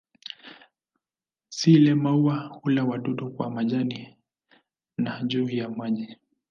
Sile-maua hula wadudu kwa majani na juu ya maji.